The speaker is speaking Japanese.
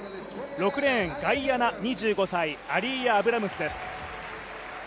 ６レーン、ガイアナ、２５歳アリーヤ・アブラムスです。